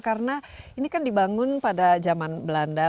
karena ini kan dibangun pada zaman belanda